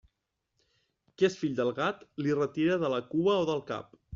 Qui és fill del gat, li retira de la cua o del cap.